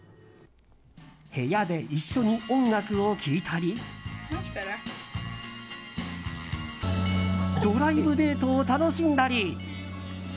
部屋で一緒に音楽を聴いたりドライブデートを楽しんだり。